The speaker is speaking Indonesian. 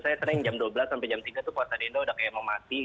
saya sering jam dua belas sampai jam tiga tuh puasa di indo udah kayak mau mati